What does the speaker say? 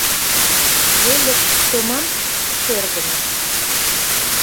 Вольык томам, шӧрдымӧ.